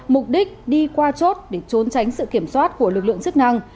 mục đích đi qua chốt để trốn tránh sự kiểm soát của lực lượng chức năng